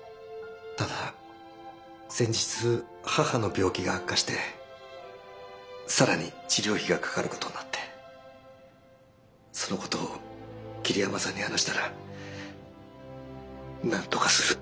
ただ先日母の病気が悪化して更に治療費がかかることになってそのことを桐山さんに話したらなんとかするって言ってくれて。